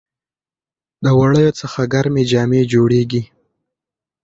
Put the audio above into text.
د وړیو څخه ګرمې جامې جوړیږي.